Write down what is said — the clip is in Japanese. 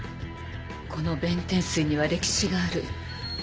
この弁天水には歴史がある。